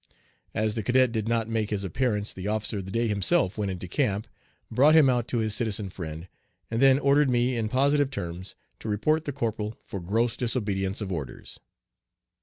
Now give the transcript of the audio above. As the cadet did not make his appearance the officer of the day himself went into camp, brought him out to his citizen friend, and then ordered me in positive terms to report the corporal for gross disobedience of orders.